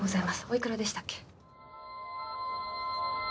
おいくらでしたっけ？